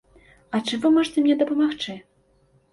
А чым вы можаце мне дапамагчы?